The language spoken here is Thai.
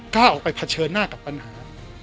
กล้าออกไปเผชิญหน้ากับปัญหา